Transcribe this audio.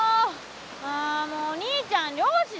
ああもうお兄ちゃん漁師でしょ。